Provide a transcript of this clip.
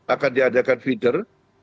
akan diadakan feeder